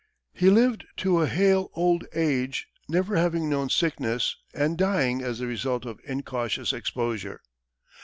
He lived to a hale old age, never having known sickness, and dying as the result of incautious exposure.